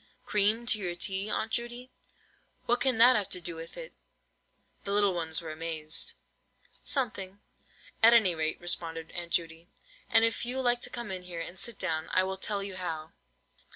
"Cream to your tea, Aunt Judy? What can that have to do with it?" The little ones were amazed. "Something," at any rate, responded Aunt Judy; "and if you like to come in here, and sit down, I will tell you how."